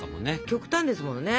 極端ですもんね。